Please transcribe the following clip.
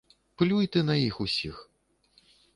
Плюй ты на іх усіх.